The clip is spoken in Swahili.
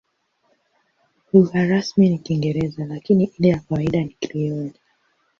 Lugha rasmi ni Kiingereza, lakini ile ya kawaida ni Krioli.